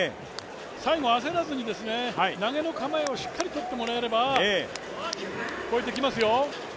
最後、焦らずに投げの構えをしっかりとってもらえれば越えてきますよ。